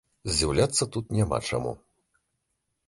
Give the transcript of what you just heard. Здзіўляцца тут няма чаму.